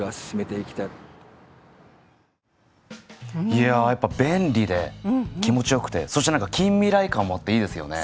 いややっぱ便利で気持ちよくてそして何か近未来感もあっていいですよね。